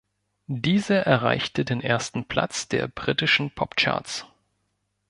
Diese erreichte den ersten Platz der britischen Popcharts.